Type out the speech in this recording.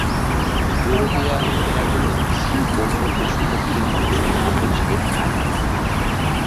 ইউরোপীরা এখনও বন্য পশু পক্ষীর মাংস না পচলে খায় না।